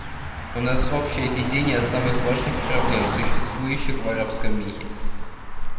У нас общее видение самых важных проблем, существующих в арабском мире.